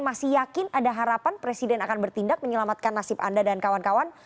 masih yakin ada harapan presiden akan bertindak menyelamatkan nasib anda dan kawan kawan